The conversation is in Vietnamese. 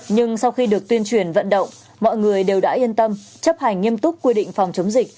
nhưng sau khi được tuyên truyền vận động mọi người đều đã yên tâm chấp hành nghiêm túc quy định phòng chống dịch